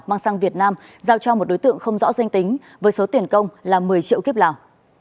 mang sang việt nam giao cho một đối tượng không rõ danh tính với số tiền công là một mươi triệu kiếp lào